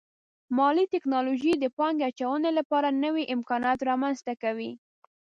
مالي ټکنالوژي د پانګې اچونې لپاره نوي امکانات رامنځته کوي.